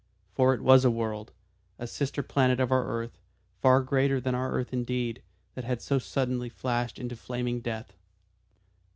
For it was a world, a sister planet of our earth, far greater than our earth indeed, that had so suddenly flashed into flaming death.